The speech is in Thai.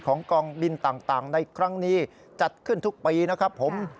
กองบินต่างในครั้งนี้จัดขึ้นทุกปีนะครับผม